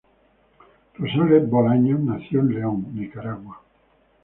Rosales Bolaños nació en León, Nicaragua.